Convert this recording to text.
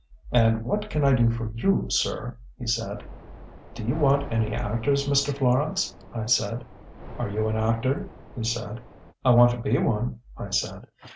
"'And what can I do for you, sir?' he said. "'Do you want any actors, Mr. Florance?' I said. "'Are you an actor?' he said. "'I want to be one,' I said.